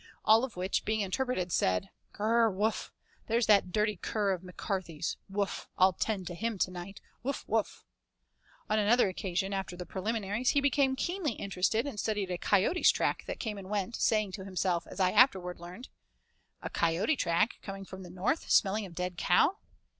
All of which, being interpreted, said: "Grrrh! woof! there's that dirty cur of McCarthy's. Woof! I'll 'tend to him tonight. Woof! woof!" On another occasion, after the preliminaries, he became keenly interested and studied a coyote's track that came and went, saying to himself, as I afterward learned: "A coyote track coming from the north, smelling of dead cow.